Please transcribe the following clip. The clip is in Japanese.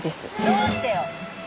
どうしてよ？